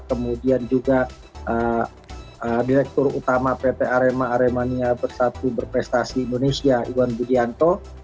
kemudian juga direktur utama pt arema aremania bersatu berprestasi indonesia iwan budianto